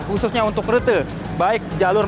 khususnya untuk rute baik jalur